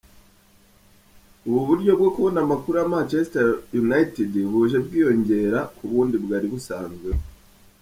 Ubu buryo bwo kubona amakuru ya Manchester United buje bwiyongera ku bundi bwari busanzweho.